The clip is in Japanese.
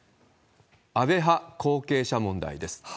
安倍派後継者問題です。